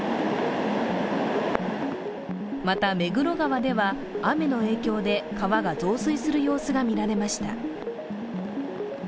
また、目黒川では、雨の影響で川が増水する様子が見られました。